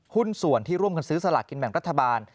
หุ้นส่วนที่ร่วมกันซื้อสลากกินแบ่งรัฐบาล